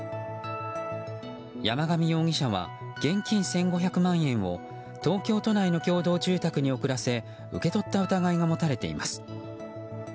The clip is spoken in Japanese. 山上容疑者は現金１５００万円を東京都内の共同住宅に送らせ受け取った疑いが持たれています。